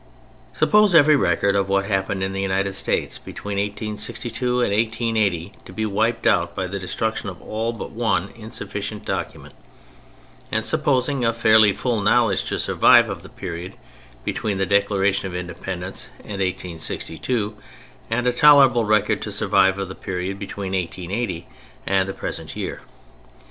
Suppose every record of what happened in the United States between 1862 and 1880 to be wiped out by the destruction of all but one insufficient document, and supposing a fairly full knowledge to survive of the period between the Declaration of Independence and 1862, and a tolerable record to survive of the period between 1880 and the present year.